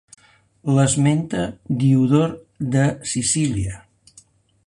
L'esmenta Diodor de Sicília.